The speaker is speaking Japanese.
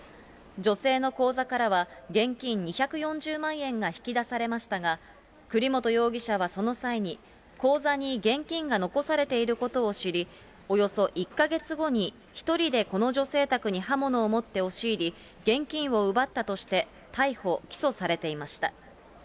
女性の口座からは、現金２４０万円が引き出されましたが、栗本容疑者はその際に、口座に現金が残されていることを知り、およそ１か月後に、１人でこの女性宅に刃物を持って押し入り、現金を奪ったとして逮捕・起訴されていました。